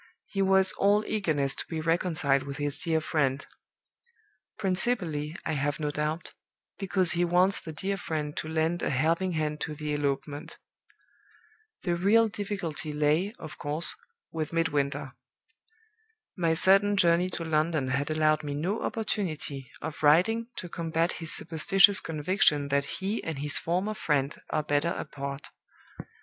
He was all eagerness to be reconciled with his dear friend principally, I have no doubt, because he wants the dear friend to lend a helping hand to the elopement. The real difficulty lay, of course, with Midwinter. My sudden journey to London had allowed me no opportunity of writing to combat his superstitious conviction that he and his former friend are better apart.